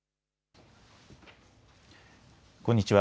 こんにちは。